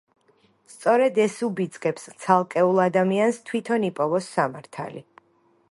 სწორედ ეს უბიძგებს ცალკეულ ადამიანს თვითონ იპოვოს სამართალი.